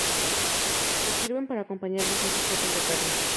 Se sirven para acompañar distintos platos de carne.